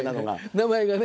名前がね。